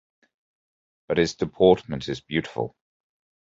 But his deportment is beautiful.